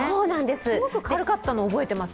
すごく軽かったのを覚えてます。